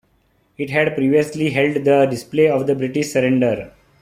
It had previously held the display of the British surrender.